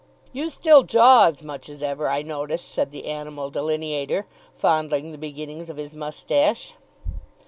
"You still jaw as much as ever, I notice," said the animal delineator, fondling the beginnings of his moustache.